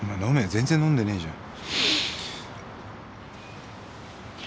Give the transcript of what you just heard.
全然飲んでねえじゃん。